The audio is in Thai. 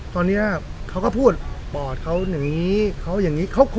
ตอนนี้เขาก็พูดปอดเขาอย่างนี้เขาอย่างนี้